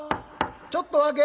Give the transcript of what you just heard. ちょっとお開け。